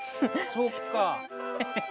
そっか。